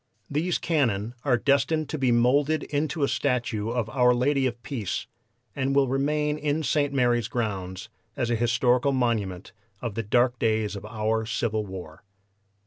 These cannon are destined to be moulded into a statue of 'Our Lady of Peace,' and will remain in St. Mary's grounds as an historical monument of the dark days of our civil war."